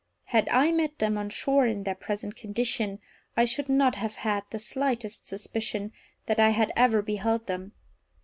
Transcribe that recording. Had I met them on shore in their present condition I should not have had the slightest suspicion that I had ever beheld them.